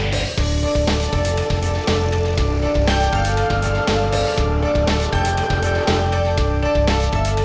lo enggak masuk sekolah eh